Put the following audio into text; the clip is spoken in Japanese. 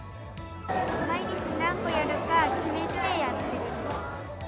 毎日、何個やるか決めてやってる。